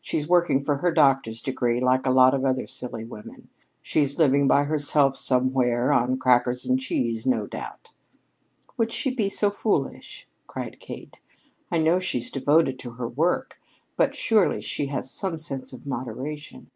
She's working for her doctor's degree, like a lot of other silly women. She's living by herself somewhere, on crackers and cheese, no doubt." "Would she really be so foolish?" cried Kate. "I know she's devoted to her work, but surely she has some sense of moderation."